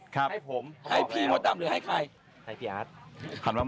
ครับให้ผมขอบคุณครับขอบคุณครับให้พี่มดดำหรือให้ใคร